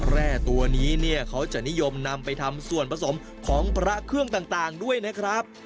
แร่ตัวนี้เนี่ยเขาจะนิยมนำไปทำส่วนผสมของพระเครื่องต่างด้วยนะครับ